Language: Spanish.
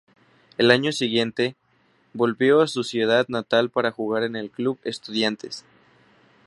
Al año siguiente, volvió a su ciudad natal para jugar en el Club Estudiantes.